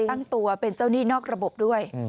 ตั้งตัวเป็นเจ้าหนี้นอกระบบด้วย